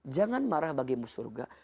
jangan marah bagimu surga